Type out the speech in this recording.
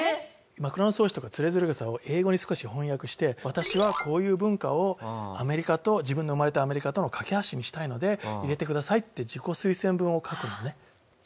『枕草子』とか『徒然草』を英語に少し翻訳して私はこういう文化をアメリカと自分の生まれたアメリカとの架け橋にしたいので入れてくださいって自己推薦文を書くのね。